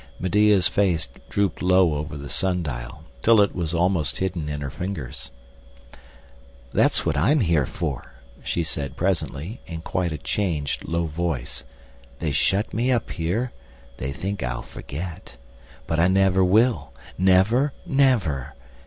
Medea's face drooped low over the sun dial, till it was almost hidden in her fingers. "That's what I'm here for," she said presently, in quite a changed, low voice. "They shut me up here they think I'll forget but I never will never, never!